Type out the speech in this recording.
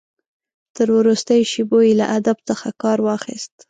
تر وروستیو شېبو یې له ادب څخه کار واخیست.